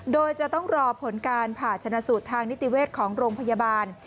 โดยจะต้องรอผลการผ่าชนะสูตรทางนิติเวชของโรงพยาบาล